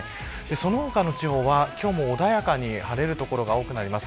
その他の地方は今日も穏やかに晴れる所が多くなります。